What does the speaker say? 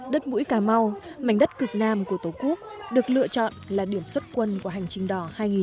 đất mũi cà mau mảnh đất cực nam của tổ quốc được lựa chọn là điểm xuất quân của hành trình đỏ hai nghìn một mươi chín